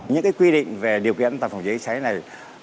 những cái quy định về điều kiện tạm phòng cháy cháy này